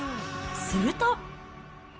すると。